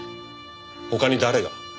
他に誰が？